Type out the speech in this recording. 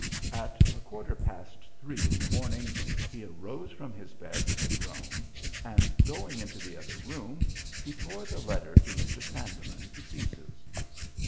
At a quarter past three in the morning he arose from his bed with a groan, and, going into the other room, he tore the letter to Mr. Sandeman to pieces.